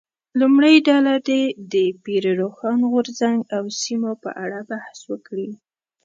لومړۍ ډله دې د پیر روښان غورځنګ او سیمو په اړه بحث وکړي.